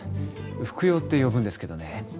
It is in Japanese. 複葉って呼ぶんですけどね。